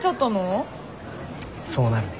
そうなるね。